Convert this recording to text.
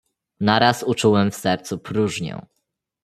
"Naraz uczułem w sercu próżnię."